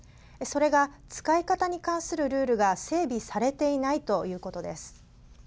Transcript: それが、使い方に関するルールが整備されていないということです。